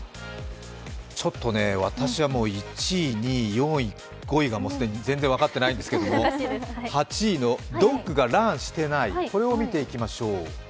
ちょっとね、私は１位、２位、４位、５位が既に全然分かってないんですけど８位のドッグがランしてない、これを見ていきましょう。